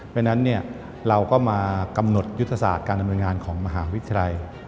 เพราะฉะนั้นเราก็มากำหนดยุทธศาสตร์การดำเนินงานของมหาวิทยาลัย